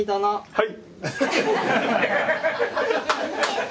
はい。